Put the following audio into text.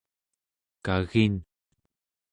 kagin